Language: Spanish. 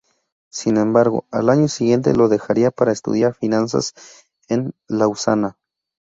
Sin embargo, al año siguiente lo dejaría para estudiar finanzas en Lausana.